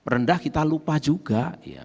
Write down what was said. rendah kita lupa juga